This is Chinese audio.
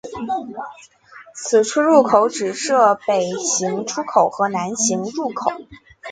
此出入口只设北行出口与南行入口。